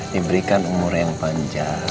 diberikan umur yang panjang